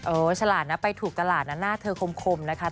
โอ้ฉลาดนะไปถูกกระหลาดนะหน้าเธอคมนะคะ